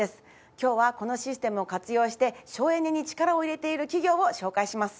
今日はこのシステムを活用して省エネに力を入れている企業を紹介します。